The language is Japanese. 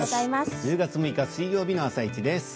１０月６日水曜日の「あさイチ」です。